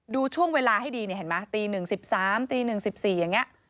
ดูช่วงเวลาให้ดีตี๑๓๐๐ตี๑๔๐๐อย่างนี้